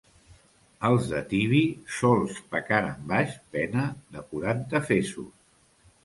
Els de Tibi sols pecaren baix pena de quaranta fesos.